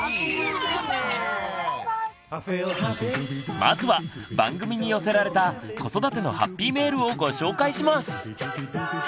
まずは番組に寄せられた子育てのハッピーメールをご紹介します。